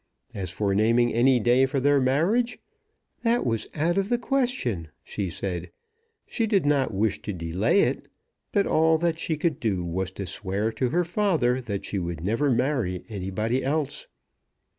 As for naming any day for their marriage, "That was out of the question," she said. She did not wish to delay it; but all that she could do was to swear to her father that she would never marry anybody else.